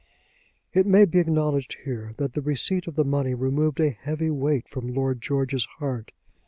It may be acknowledged here that the receipt of the money removed a heavy weight from Lord George's heart.